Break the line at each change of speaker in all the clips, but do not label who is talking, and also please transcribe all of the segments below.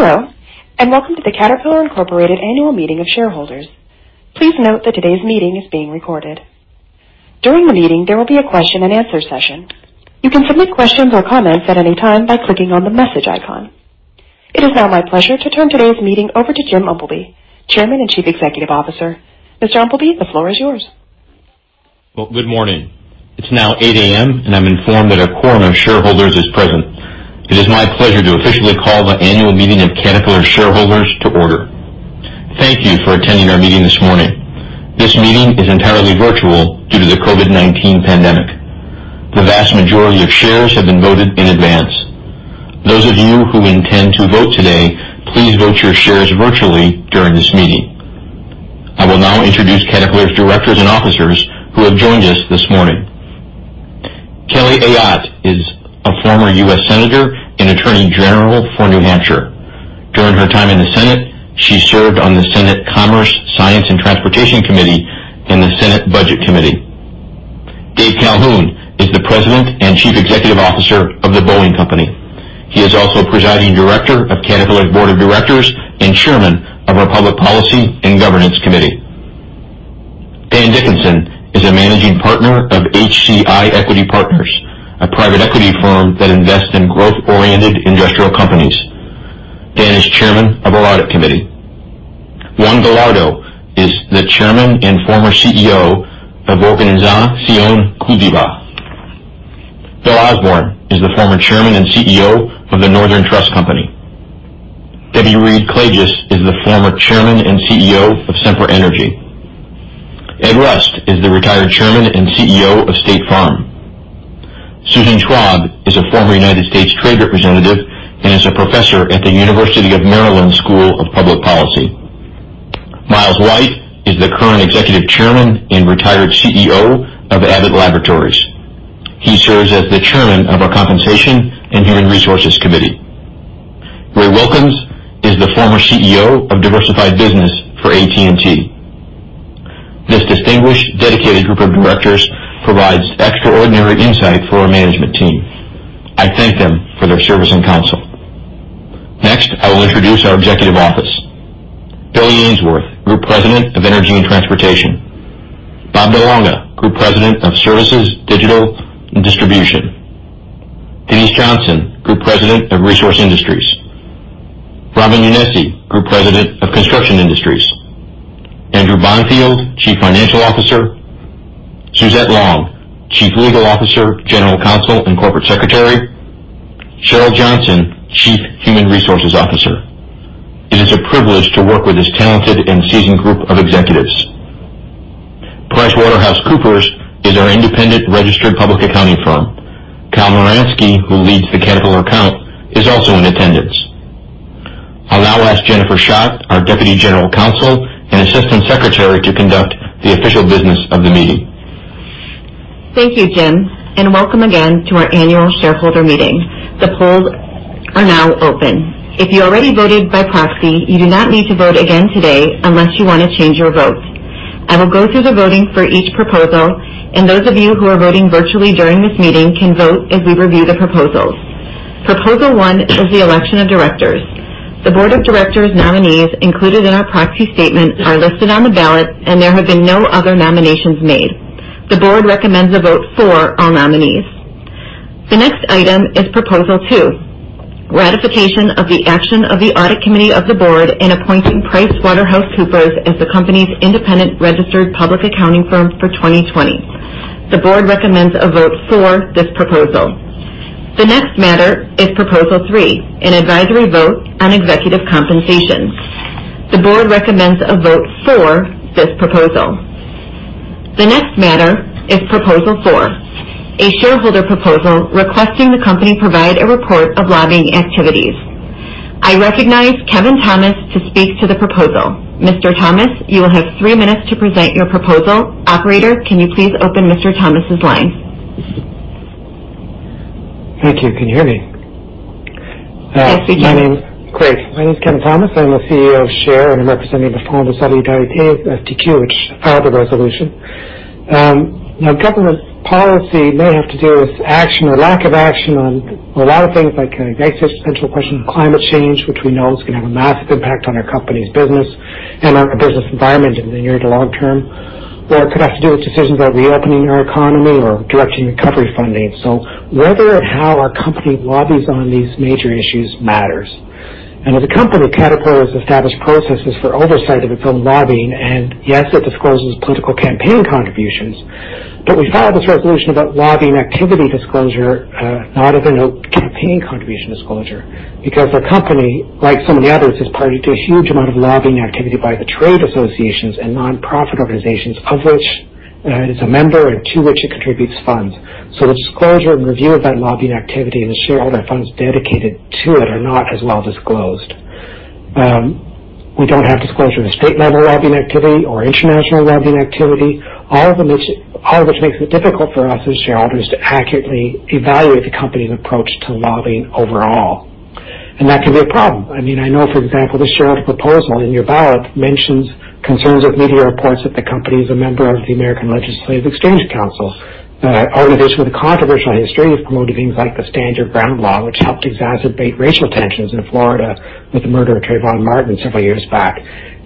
Hello, welcome to the Caterpillar Incorporated Annual Meeting of Shareholders. Please note that today's meeting is being recorded. During the meeting, there will be a question and answer session. You can submit questions or comments at any time by clicking on the message icon. It is now my pleasure to turn today's meeting over to Jim Umpleby, Chairman and Chief Executive Officer. Mr. Umpleby, the floor is yours.
Well, good morning. It's now 8:00 A.M., and I'm informed that a quorum of shareholders is present. It is my pleasure to officially call the annual meeting of Caterpillar shareholders to order. Thank you for attending our meeting this morning. This meeting is entirely virtual due to the COVID-19 pandemic. The vast majority of shares have been voted in advance. Those of you who intend to vote today, please vote your shares virtually during this meeting. I will now introduce Caterpillar's directors and officers who have joined us this morning. Kelly Ayotte is a former U.S. Senator and Attorney General for New Hampshire. During her time in the Senate, she served on the Senate Commerce, Science, and Transportation Committee and the Senate Budget Committee. Dave Calhoun is the President and Chief Executive Officer of the Boeing Company. He is also Presiding Director of Caterpillar Board of Directors and Chairman of our Public Policy and Governance Committee. Dan Dickinson is a Managing Partner of HCI Equity Partners, a private equity firm that invests in growth-oriented industrial companies. Dan is Chairman of Audit Committee. Juan Gallardo is the Chairman and former CEO of Organización Cultiba. Bill Osborn is the former Chairman and CEO of The Northern Trust Company. W. Reed-Klages is the former Chairman and CEO of Sempra Energy. Ed Rust is the retired Chairman and CEO of State Farm. Susan Schwab is a former United States Trade Representative and is a Professor at the University of Maryland School of Public Policy. Miles White is the current Executive Chairman and retired CEO of Abbott Laboratories. He serves as the Chairman of our Compensation and Human Resources Committee. Ray Wilkins is the former CEO of Diversified Businesses for AT&T. This distinguished dedicated group of directors provides extraordinary insight for our management team. I thank them for their service and counsel. Next, I will introduce our executive office. Billy Ainsworth, Group President of Energy and Transportation. Bob De Lange, Group President of Services, Distribution and Digital. Denise Johnson, Group President of Resource Industries. Ramin Younessi, Group President of Construction Industries. Andrew Bonfield, Chief Financial Officer. Suzette Long, Chief Legal Officer, General Counsel, and Corporate Secretary. Cheryl Johnson, Chief Human Resources Officer. It is a privilege to work with this talented and seasoned group of executives. PricewaterhouseCoopers is our independent registered public accounting firm. Kyle Muransky, who leads the Caterpillar account, is also in attendance. I'll now ask Jennifer Schott, our Deputy General Counsel and Assistant Secretary, to conduct the official business of the meeting.
Thank you, Jim, and welcome again to our annual shareholder meeting. The polls are now open. If you already voted by proxy, you do not need to vote again today unless you want to change your vote. I will go through the voting for each proposal, and those of you who are voting virtually during this meeting can vote as we review the proposals. Proposal one is the election of directors. The Board of Directors' nominees included in our proxy statement are listed on the ballot, and there have been no other nominations made. The board recommends a vote for our nominees. The next item is proposal two, ratification of the action of the audit committee of the board in appointing PricewaterhouseCoopers as the company's independent registered public accounting firm for 2020. The board recommends a vote for this proposal. The next matter is proposal three, an advisory vote on executive compensation. The board recommends a vote for this proposal. The next matter is proposal four, a shareholder proposal requesting the company provide a report of lobbying activities. I recognize Kevin Thomas to speak to the proposal. Mr. Thomas, you will have three minutes to present your proposal. Operator, can you please open Mr. Thomas' line?
Thank you. Can you hear me?
Yes, we can.
My name is Kevin Thomas. I'm the CEO of SHARE, I'm representing the Fonds de solidarité FTQ, which filed the resolution. Government policy may have to do with action or lack of action on a lot of things like an existential question of climate change, which we know is going to have a massive impact on our company's business and our business environment in the near to long term. It could have to do with decisions about reopening our economy or directing recovery funding. Whether and how our company lobbies on these major issues matters. As a company, Caterpillar has established processes for oversight of its own lobbying. Yes, it discloses political campaign contributions. We filed this resolution about lobbying activity disclosure, not as a campaign contribution disclosure, because our company, like so many others, is party to a huge amount of lobbying activity by the trade associations and nonprofit organizations of which it is a member and to which it contributes funds. The disclosure and review of that lobbying activity and the shareholder funds dedicated to it are not as well disclosed. We don't have disclosure of state-level lobbying activity or international lobbying activity, all of which makes it difficult for us as shareholders to accurately evaluate the company's approach to lobbying overall. That can be a problem. I know, for example, this shareholder proposal in your ballot mentions concerns of media reports that the company is a member of the American Legislative Exchange Council, an organization with a controversial history of promoting things like the Stand Your Ground law, which helped exacerbate racial tensions in Florida with the murder of Trayvon Martin several years back.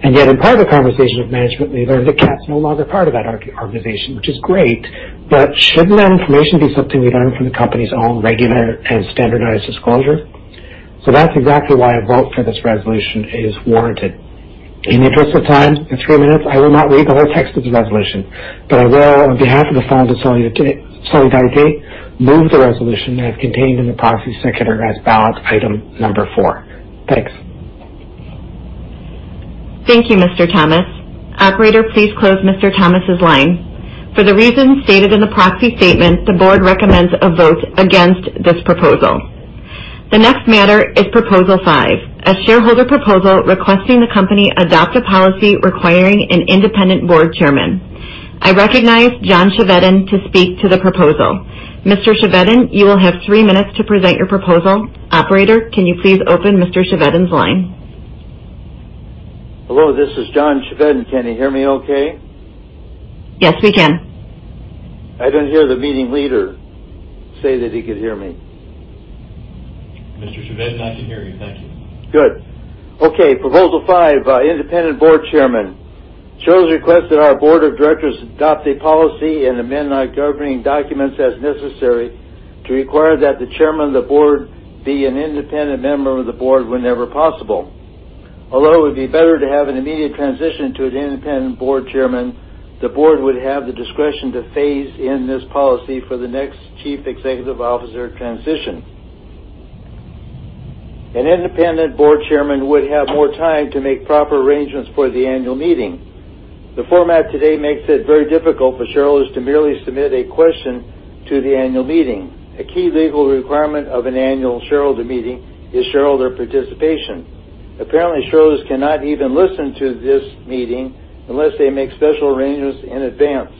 Yet, in private conversations with management, we learned that CAT's no longer part of that organization, which is great, but shouldn't that information be something we learn from the company's own regular and standardized disclosure? That's exactly why a vote for this resolution is warranted. In the interest of time, it's three minutes, I will not read the whole text of the resolution, but I will, on behalf of the fund Solidarity, move the resolution as contained in the proxy circular as ballot item number four. Thanks.
Thank you, Mr. Thomas. Operator, please close Mr. Thomas' line. For the reasons stated in the proxy statement, the board recommends a vote against this proposal. The next matter is proposal five, a shareholder proposal requesting the company adopt a policy requiring an independent board chairman. I recognize John Chevedden to speak to the proposal. Mr. Chevedden, you will have three minutes to present your proposal. Operator, can you please open Mr. Chevedden's line?
Hello, this is John Chevedden. Can you hear me okay?
Yes, we can.
I don't hear the meeting leader say that he could hear me.
Mr. Chevedden, I can hear you. Thank you.
Good. Okay, proposal five, independent board chairman. Shows request that our board of directors adopt a policy and amend our governing documents as necessary to require that the chairman of the board be an independent member of the board whenever possible. Although it would be better to have an immediate transition to an independent board chairman, the board would have the discretion to phase in this policy for the next chief executive officer transition. An independent board chairman would have more time to make proper arrangements for the annual meeting. The format today makes it very difficult for shareholders to merely submit a question to the annual meeting. A key legal requirement of an annual shareholder meeting is shareholder participation. Apparently, shareholders cannot even listen to this meeting unless they make special arrangements in advance.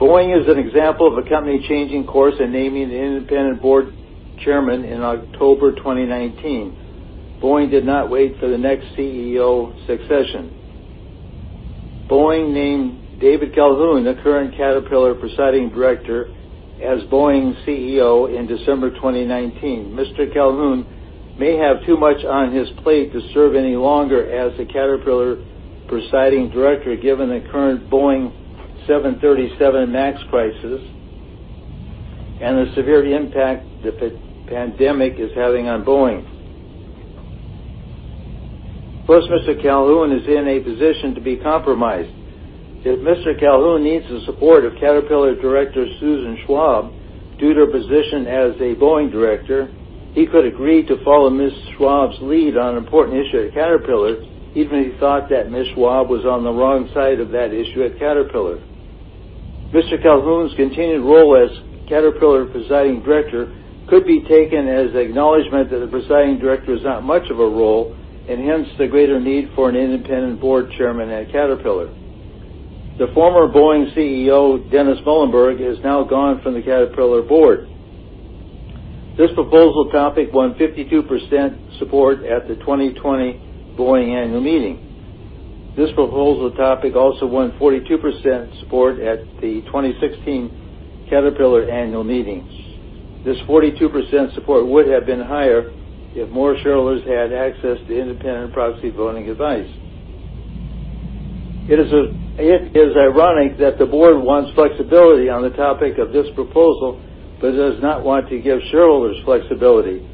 Boeing is an example of a company changing course and naming an independent board chairman in October 2019. Boeing did not wait for the next CEO succession. Boeing named David Calhoun, the current Caterpillar Presiding Director, as Boeing CEO in December 2019. Mr. Calhoun may have too much on his plate to serve any longer as the Caterpillar Presiding Director, given the current Boeing 737 MAX crisis and the severe impact the pandemic is having on Boeing. Mr. Calhoun is in a position to be compromised. If Mr. Calhoun needs the support of Caterpillar Director Susan Schwab due to her position as a Boeing Director, he could agree to follow Ms. Schwab's lead on an important issue at Caterpillar, even if he thought that Ms. Schwab was on the wrong side of that issue at Caterpillar. Mr. Calhoun's continued role as Caterpillar presiding Director could be taken as acknowledgment that the presiding director is not much of a role, and hence the greater need for an independent board chairman at Caterpillar. The former Boeing CEO, Dennis Muilenburg, is now gone from the Caterpillar board. This proposal topic won 52% support at the 2020 Boeing annual meeting. This proposal topic also won 42% support at the 2016 Caterpillar annual meeting. This 42% support would have been higher if more shareholders had access to independent proxy voting advice. It is ironic that the board wants flexibility on the topic of this proposal but does not want to give shareholders flexibility.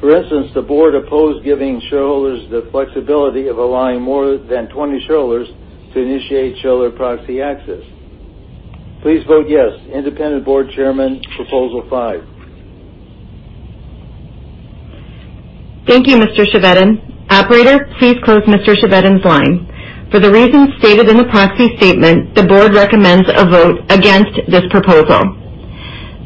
For instance, the board opposed giving shareholders the flexibility of allowing more than 20 shareholders to initiate shareholder proxy access. Please vote yes, independent board chairman, proposal five.
Thank you, Mr. Chevedden. Operator, please close Mr. Chevedden's line. For the reasons stated in the proxy statement, the board recommends a vote against this proposal.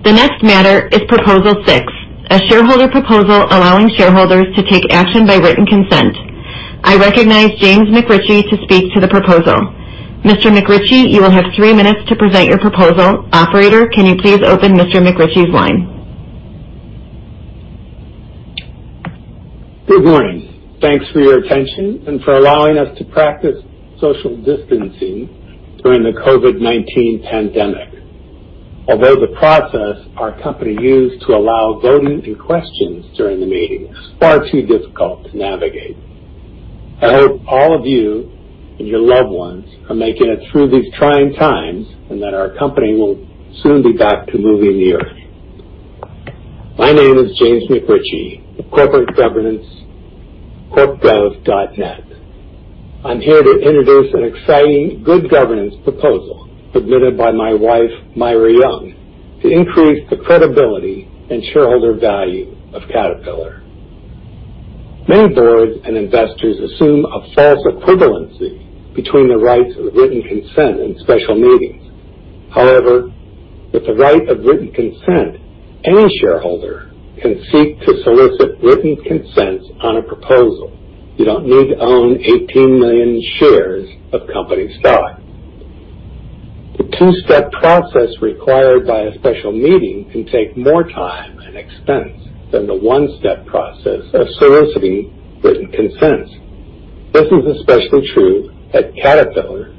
The next matter is proposal six, a shareholder proposal allowing shareholders to take action by written consent. I recognize James McRitchie to speak to the proposal. Mr. McRitchie, you will have three minutes to present your proposal. Operator, can you please open Mr. McRitchie's line?
Good morning. Thanks for your attention and for allowing us to practice social distancing during the COVID-19 pandemic. Although the process our company used to allow voting and questions during the meeting is far too difficult to navigate. I hope all of you and your loved ones are making it through these trying times and that our company will soon be back to moving the Earth. My name is James McRitchie of Corporate Governance, corpgov.net. I'm here to introduce an exciting good governance proposal submitted by my wife, Myra Young, to increase the credibility and shareholder value of Caterpillar. Many boards and investors assume a false equivalency between the rights of written consent and special meetings. However, with the right of written consent, any shareholder can seek to solicit written consents on a proposal. You don't need to own 18 million shares of company stock. The two-step process required by a special meeting can take more time and expense than the one-step process of soliciting written consents. This is especially true at Caterpillar,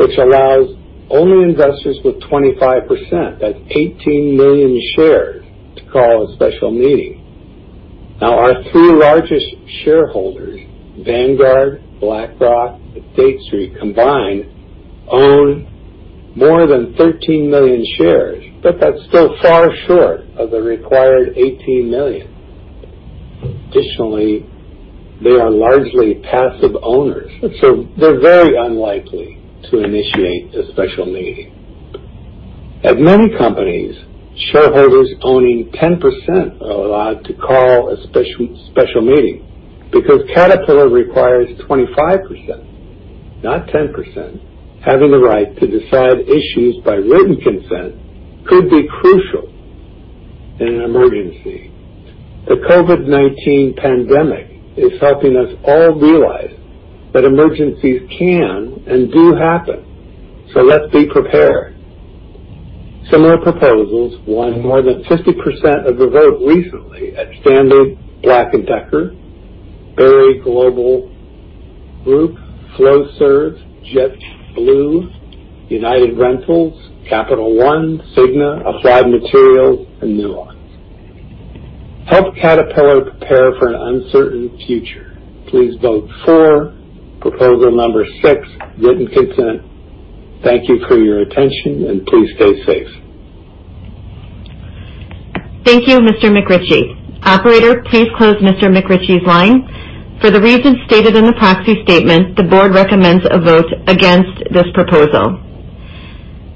which allows only investors with 25%, that's 18 million shares, to call a special meeting. Our three largest shareholders, Vanguard, BlackRock, and State Street, combined own more than 13 million shares, but that's still far short of the required 18 million. Additionally, they are largely passive owners, so they're very unlikely to initiate a special meeting. At many companies, shareholders owning 10% are allowed to call a special meeting. Caterpillar requires 25%, not 10%, having the right to decide issues by written consent could be crucial in an emergency. The COVID-19 pandemic is helping us all realize that emergencies can and do happen. Let's be prepared. Similar proposals won more than 50% of the vote recently at Stanley Black & Decker, Berry Global Group, Flowserve, JetBlue, United Rentals, Capital One, Cigna, Applied Materials, and Nuance. Help Caterpillar prepare for an uncertain future. Please vote for proposal number six, written consent. Thank you for your attention, and please stay safe.
Thank you, Mr. McRitchie. Operator, please close Mr. McRitchie's line. For the reasons stated in the proxy statement, the board recommends a vote against this proposal.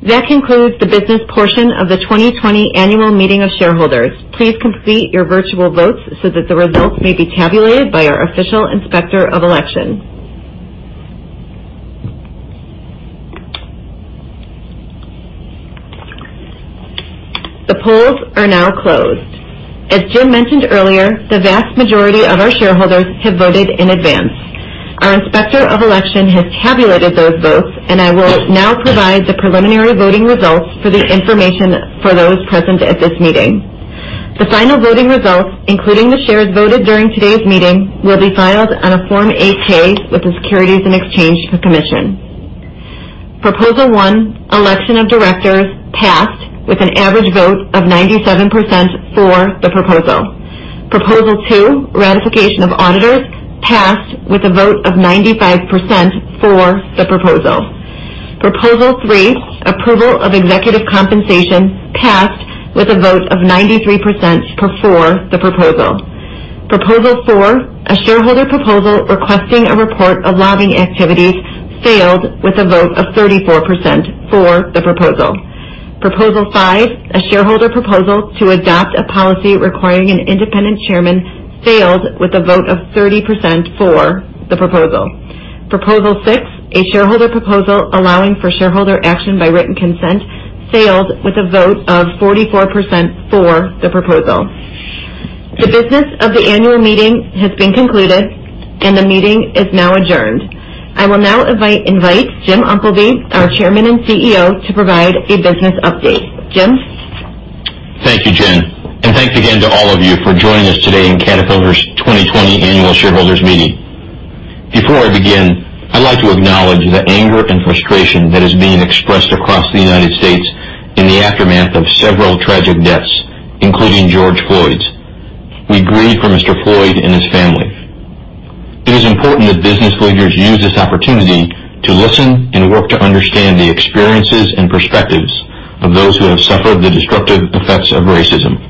That concludes the business portion of the 2020 annual meeting of shareholders. Please complete your virtual votes so that the results may be tabulated by our official inspector of election. The polls are now closed. As Jim mentioned earlier, the vast majority of our shareholders have voted in advance. Our inspector of election has tabulated those votes, and I will now provide the preliminary voting results for the information for those present at this meeting. The final voting results, including the shares voted during today's meeting, will be filed on a Form 8-K with the Securities and Exchange Commission. Proposal one, election of directors, passed with an average vote of 97% for the proposal. Proposal two, ratification of auditors, passed with a vote of 95% for the proposal. Proposal three, approval of executive compensation, passed with a vote of 93% for the proposal. Proposal four, a shareholder proposal requesting a report of lobbying activities, failed with a vote of 34% for the proposal. Proposal five, a shareholder proposal to adopt a policy requiring an independent Chairman, failed with a vote of 30% for the proposal. Proposal six, a shareholder proposal allowing for shareholder action by written consent, failed with a vote of 44% for the proposal. The business of the annual meeting has been concluded. The meeting is now adjourned. I will now invite Jim Umpleby, our Chairman and CEO, to provide a business update. Jim?
Thank you, Jen, thanks again to all of you for joining us today in Caterpillar's 2020 Annual Shareholders Meeting. Before I begin, I'd like to acknowledge the anger and frustration that is being expressed across the United States in the aftermath of several tragic deaths, including George Floyd's. We grieve for Mr. Floyd and his family. It is important that business leaders use this opportunity to listen and work to understand the experiences and perspectives of those who have suffered the destructive effects of racism.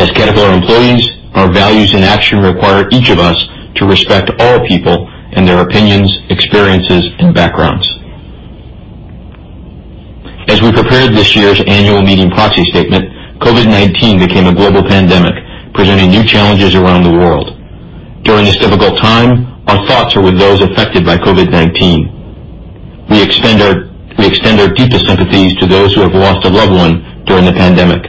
As Caterpillar employees, our Values in Action require each of us to respect all people and their opinions, experiences, and backgrounds. As we prepared this year's annual meeting proxy statement, COVID-19 became a global pandemic, presenting new challenges around the world. During this difficult time, our thoughts are with those affected by COVID-19. We extend our deepest sympathies to those who have lost a loved one during the pandemic.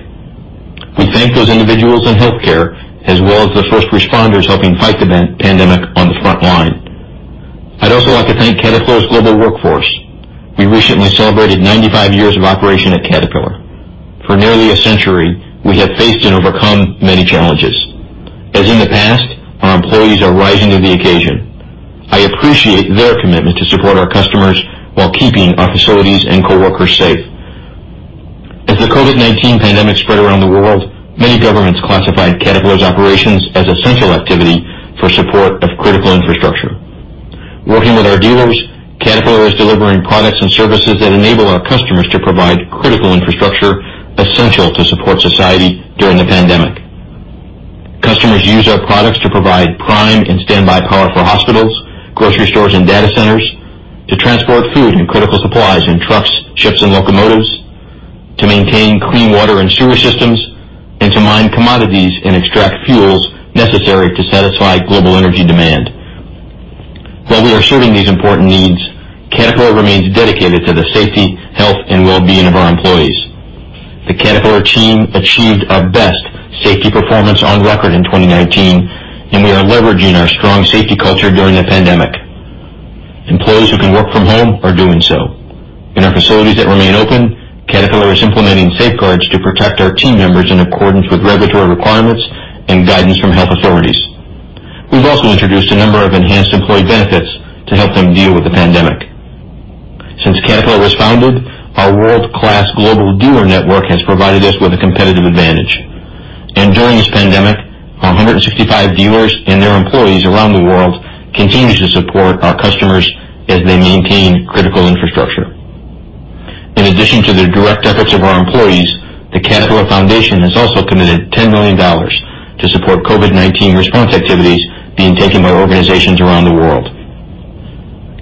We thank those individuals in healthcare, as well as the first responders helping fight the pandemic on the front line. I'd also like to thank Caterpillar's global workforce. We recently celebrated 95 years of operation at Caterpillar. For nearly a century, we have faced and overcome many challenges. As in the past, our employees are rising to the occasion. I appreciate their commitment to support our customers while keeping our facilities and coworkers safe. As the COVID-19 pandemic spread around the world, many governments classified Caterpillar's operations as essential activity for support of critical infrastructure. Working with our dealers, Caterpillar is delivering products and services that enable our customers to provide critical infrastructure essential to support society during the pandemic. Customers use our products to provide prime and standby power for hospitals, grocery stores, and data centers, to transport food and critical supplies in trucks, ships, and locomotives, to maintain clean water and sewer systems, and to mine commodities and extract fuels necessary to satisfy global energy demand. While we are serving these important needs, Caterpillar remains dedicated to the safety, health, and well-being of our employees. Caterpillar team achieved our best safety performance on record in 2019, and we are leveraging our strong safety culture during the pandemic. Employees who can work from home are doing so. In our facilities that remain open, Caterpillar is implementing safeguards to protect our team members in accordance with regulatory requirements and guidance from health authorities. We've also introduced a number of enhanced employee benefits to help them deal with the pandemic. Since Caterpillar was founded, our world-class global dealer network has provided us with a competitive advantage. During this pandemic, our 165 dealers and their employees around the world continue to support our customers as they maintain critical infrastructure. In addition to the direct efforts of our employees, the Caterpillar Foundation has also committed $10 million to support COVID-19 response activities being taken by organizations around the world.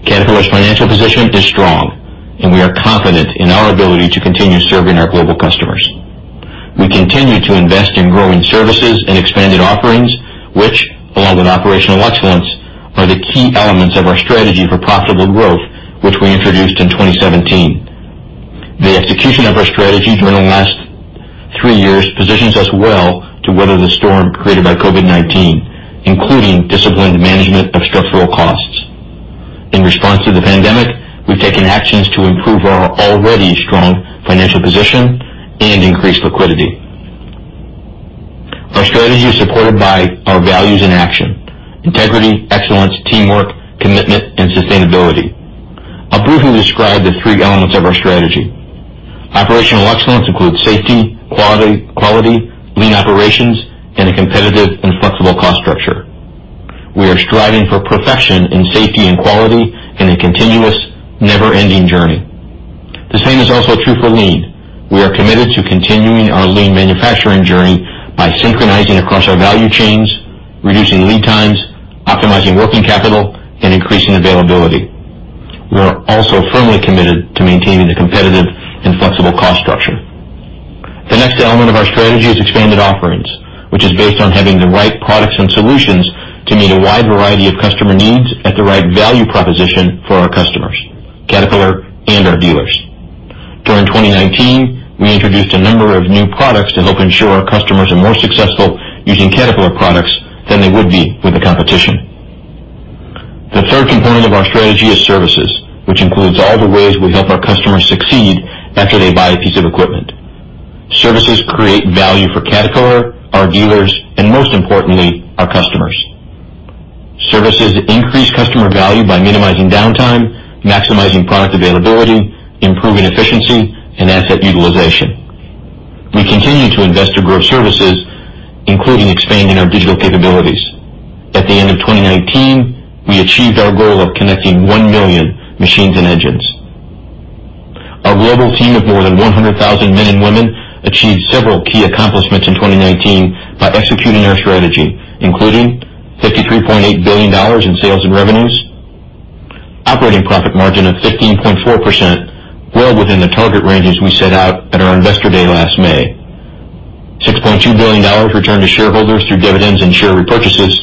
Caterpillar's financial position is strong, and we are confident in our ability to continue serving our global customers. We continue to invest in growing services and expanded offerings, which, along with operational excellence, are the key elements of our strategy for profitable growth, which we introduced in 2017. The execution of our strategy during the last three years positions us well to weather the storm created by COVID-19, including disciplined management of structural costs. In response to the pandemic, we've taken actions to improve our already strong financial position and increase liquidity. Our strategy is supported by our Values in Action, integrity, excellence, teamwork, commitment, and sustainability. I'll briefly describe the three elements of our strategy. Operational excellence includes safety, quality, lean operations, and a competitive and flexible cost structure. We are striving for perfection in safety and quality in a continuous, never-ending journey. The same is also true for lean. We are committed to continuing our lean manufacturing journey by synchronizing across our value chains, reducing lead times, optimizing working capital, and increasing availability. We're also firmly committed to maintaining a competitive and flexible cost structure. The next element of our strategy is expanded offerings, which is based on having the right products and solutions to meet a wide variety of customer needs at the right value proposition for our customers, Caterpillar, and our dealers. During 2019, we introduced a number of new products to help ensure our customers are more successful using Caterpillar products than they would be with the competition. The third component of our strategy is services, which includes all the ways we help our customers succeed after they buy a piece of equipment. Services create value for Caterpillar, our dealers, and most importantly, our customers. Services increase customer value by minimizing downtime, maximizing product availability, improving efficiency, and asset utilization. We continue to invest to grow services, including expanding our digital capabilities. At the end of 2019, we achieved our goal of connecting 1 million machines and engines. Our global team of more than 100,000 men and women achieved several key accomplishments in 2019 by executing our strategy, including $53.8 billion in sales and revenues, operating profit margin of 15.4%, well within the target ranges we set out at our Investor Day last May, $6.2 billion returned to shareholders through dividends and share repurchases,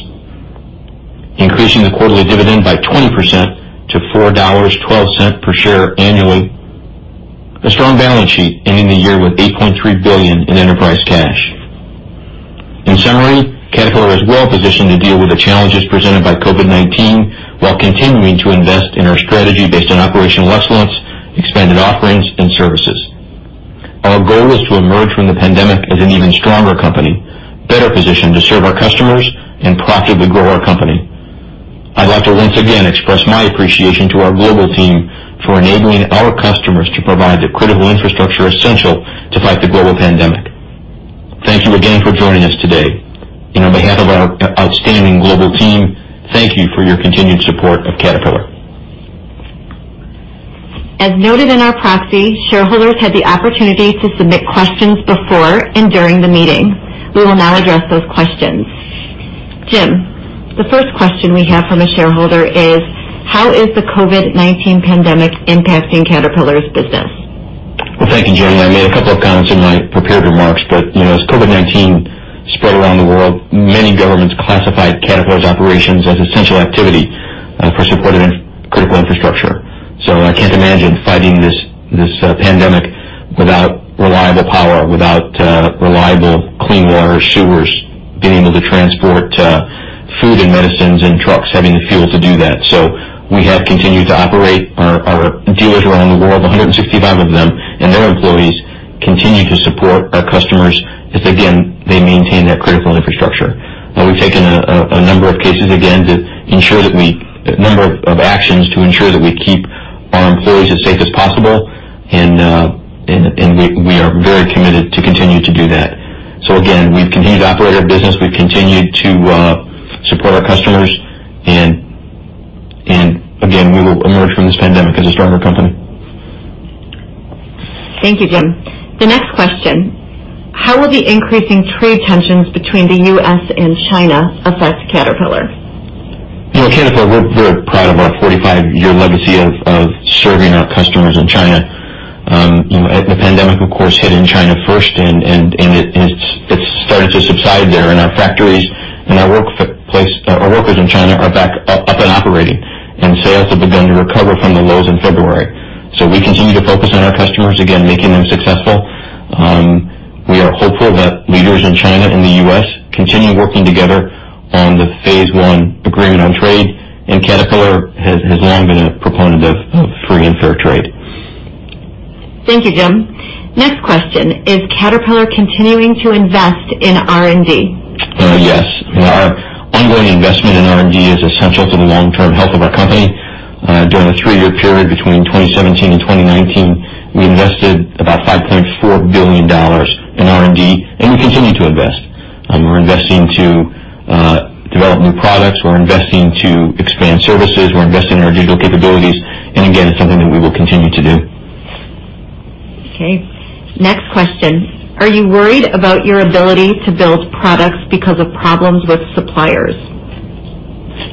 increasing the quarterly dividend by 20% to $4.12 per share annually, a strong balance sheet ending the year with $8.3 billion in enterprise cash. In summary, Caterpillar is well positioned to deal with the challenges presented by COVID-19 while continuing to invest in our strategy based on operational excellence, expanded offerings, and services. Our goal is to emerge from the pandemic as an even stronger company, better positioned to serve our customers and profitably grow our company. I'd like to once again express my appreciation to our global team for enabling our customers to provide the critical infrastructure essential to fight the global pandemic. Thank you again for joining us today, and on behalf of our outstanding global team, thank you for your continued support of Caterpillar.
As noted in our proxy, shareholders had the opportunity to submit questions before and during the meeting. We will now address those questions. Jim, the first question we have from a shareholder is, how is the COVID-19 pandemic impacting Caterpillar's business?
Well, thank you, Jenny. I made a couple of comments in my prepared remarks. As COVID-19 spread around the world, many governments classified Caterpillar's operations as essential activity for support of critical infrastructure. I can't imagine fighting this pandemic without reliable power, without reliable clean water, sewers, being able to transport food and medicines, and trucks having the fuel to do that. We have continued to operate. Our dealers around the world, 165 of them, and their employees continue to support our customers as, again, they maintain that critical infrastructure. We've taken a number of cases again, a number of actions to ensure that we keep our employees as safe as possible, and we are very committed to continue to do that. Again, we've continued to operate our business, we've continued to support our customers, and again, we will emerge from this pandemic as a stronger company.
Thank you, Jim. The next question. How will the increasing trade tensions between the U.S. and China affect Caterpillar?
Caterpillar, we're proud of our 45-year legacy of serving our customers in China. The pandemic, of course, hit in China first. Started to subside there. Our factories and our workers in China are back up and operating. Sales have begun to recover from the lows in February. We continue to focus on our customers, again, making them successful. We are hopeful that leaders in China and the U.S. continue working together on the phase I agreement on trade. Caterpillar has long been a proponent of free and fair trade.
Thank you, Jim. Next question, is Caterpillar continuing to invest in R&D?
Yes. Our ongoing investment in R&D is essential to the long-term health of our company. During the three-year period between 2017 and 2019, we invested about $5.4 billion in R&D. We continue to invest. We're investing to develop new products. We're investing to expand services. We're investing in our digital capabilities. Again, it's something that we will continue to do.
Okay. Next question. Are you worried about your ability to build products because of problems with suppliers?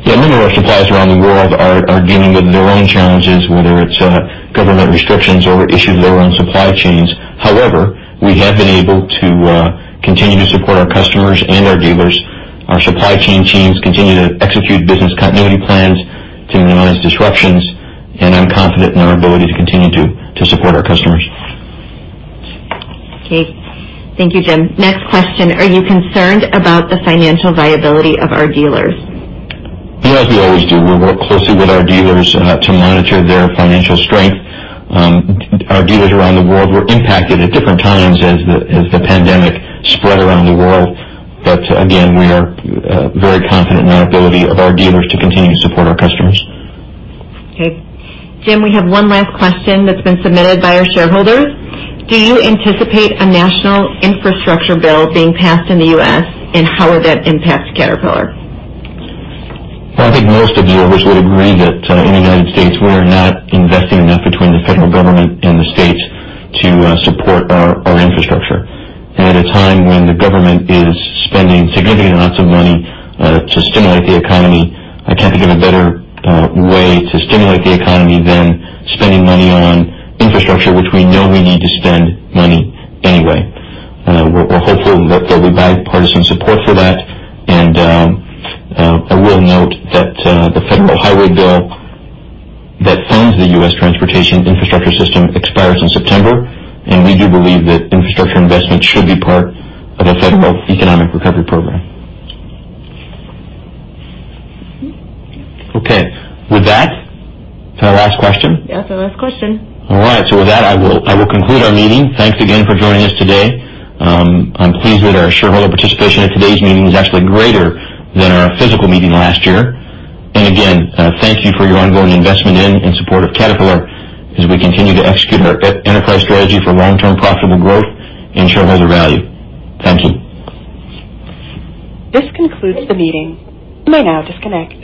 Yeah. Many of our suppliers around the world are dealing with their own challenges, whether it's government restrictions or issues of their own supply chains. However, we have been able to continue to support our customers and our dealers. Our supply chain teams continue to execute business continuity plans to minimize disruptions, and I'm confident in our ability to continue to support our customers.
Okay. Thank you, Jim. Next question, are you concerned about the financial viability of our dealers?
As we always do, we work closely with our dealers to monitor their financial strength. Our dealers around the world were impacted at different times as the pandemic spread around the world. Again, we are very confident in our ability of our dealers to continue to support our customers.
Okay. Jim, we have one last question that's been submitted by our shareholders. Do you anticipate a national infrastructure bill being passed in the U.S., and how would that impact Caterpillar?
Well, I think most observers would agree that in the United States, we are not investing enough between the federal government and the states to support our infrastructure. At a time when the government is spending significant amounts of money to stimulate the economy, I can't think of a better way to stimulate the economy than spending money on infrastructure, which we know we need to spend money anyway. We're hopeful that there'll be bipartisan support for that. I will note that the federal highway bill that funds the U.S. transportation infrastructure system expires in September. We do believe that infrastructure investment should be part of a federal economic recovery program. Okay. With that, is that our last question?
That's our last question.
All right. With that, I will conclude our meeting. Thanks again for joining us today. I'm pleased that our shareholder participation at today's meeting is actually greater than our physical meeting last year. Again, thank you for your ongoing investment in and support of Caterpillar as we continue to execute our enterprise strategy for long-term profitable growth and shareholder value. Thank you.
This concludes the meeting. You may now disconnect.